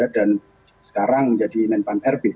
dan sekarang menjadi menpan irb